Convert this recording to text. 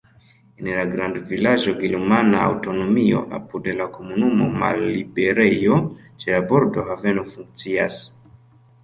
En la grandvilaĝo germana aŭtonomio, apud la komunumo malliberejo, ĉe la bordo haveno funkcias.